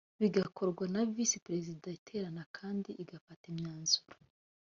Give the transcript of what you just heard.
bigakorwa na visi perezida iterana kandi igafata imyanzuro